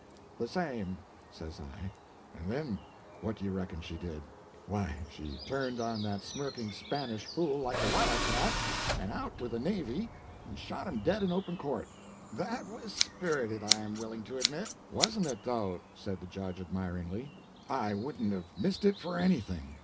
"'The same,' says I. "And then what do you reckon she did? Why, she turned on that smirking Spanish fool like a wildcat, and out with a 'navy' and shot him dead in open court!" "That was spirited, I am willing to admit." "Wasn't it, though?" said the judge admiringly. "I wouldn't have missed it for anything.